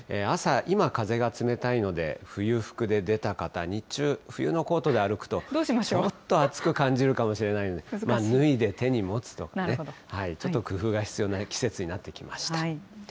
朝、今、風が冷たいので、冬服で出た方、日中、冬のコートで歩くと、ちょっと暑く感じるかもしれないので、脱いで手に持つと、ちょっと工夫が必要な季節になってきました。